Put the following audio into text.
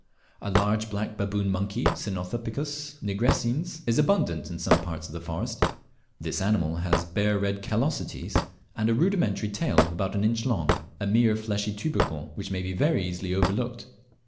A large black baboon monkey (Cynopithecus nigrescens) is abundant in some parts of the forest. This animal has bare red callosities, and a rudimentary tail about an inch long a mere fleshy tubercle, which may be very easily overlooked.